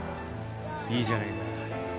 いいじゃねえか。